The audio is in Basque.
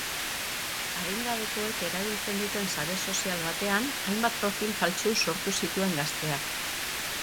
Adingabekoek erabiltzen duten sare sozial batean hainbat profil faltsu sortu zituen gazteak.